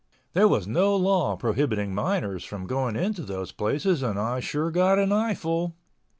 There was no law prohibiting minors from going into those places and I sure got an eyeful!